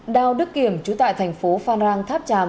đào đức kiểm trú tại thành phố phan rang tháp tràm